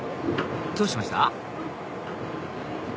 どうしました？